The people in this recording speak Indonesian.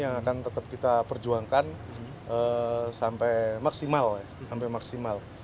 yang akan tetap kita perjuangkan sampai maksimal